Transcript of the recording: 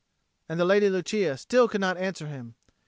And the Lady Lucia still could not answer him.